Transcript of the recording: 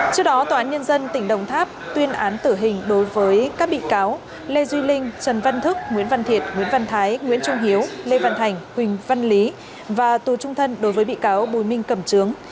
trước đó tòa án nhân dân tỉnh đồng tháp tuyên án tử hình đối với các bị cáo lê duy linh trần văn thức nguyễn văn thiệt nguyễn văn thái nguyễn trung hiếu lê văn thành huỳnh văn lý và tù trung thân đối với bị cáo bùi minh cầm trướng